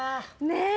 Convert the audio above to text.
ねえ